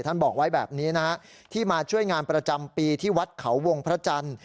บอกไว้แบบนี้นะฮะที่มาช่วยงานประจำปีที่วัดเขาวงพระจันทร์